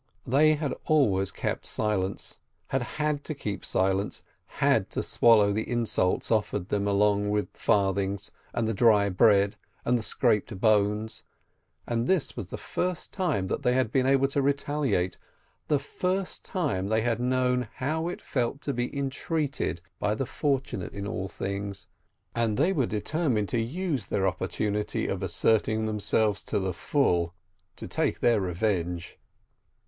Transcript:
They had always kept silence, had had to keep silence, had to swallow the insults offered them along with the farthings, and the dry bread, and the scraped bones, and this was the first time they had been able to retaliate, the first time they had known how it felt to be entreated by the fortunate in all things, and they were determined to use their opportunity of asserting themselves to the full, to take their revenge.